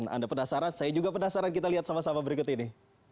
anda penasaran saya juga penasaran kita lihat sama sama berikut ini